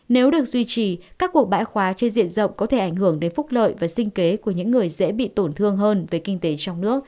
nếu được duy trì các cuộc bãi khóa trên diện rộng có thể ảnh hưởng đến phúc lợi và sinh kế của những người dễ bị tổn thương hơn về kinh tế trong nước